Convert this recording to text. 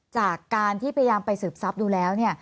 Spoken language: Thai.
จากการที่พยายามไปสืบทรัพย์ดูแล้วเนี่ย